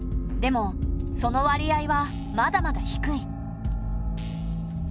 でもその割合はまだまだ低い。